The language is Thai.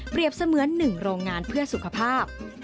เปรียบเสมือนหนึ่งโรงงานเพื่อสุขภาพ